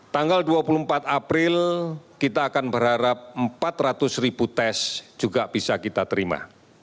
tanggal dua puluh empat april kita akan berharap empat ratus ribu tes juga bisa kita terima